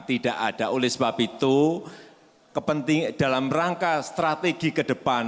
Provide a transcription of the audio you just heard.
tidak ada oleh sebab itu dalam rangka strategi ke depan